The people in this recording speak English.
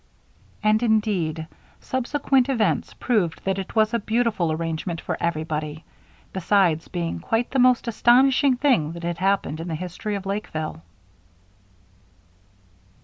And indeed, subsequent events proved that it was a beautiful arrangement for everybody, besides being quite the most astonishing thing that had happened in the history of Lakeville.